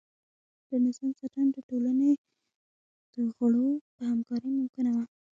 د نظام ساتنه د ټولنې د غړو په همکارۍ ممکنه وه.